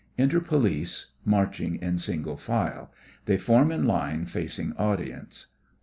(Enter POLICE, marching in single file. They form in line, facing audience.)